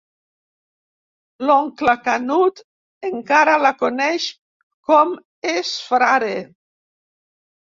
L'oncle Canut encara la coneix com es Frare.